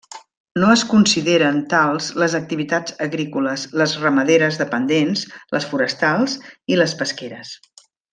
No es consideren tals les activitats agrícoles, les ramaderes dependents, les forestals i les pesqueres.